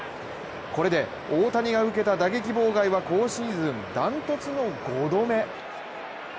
これで大谷が受けた打撃妨害は今シーズン断トツの５度目。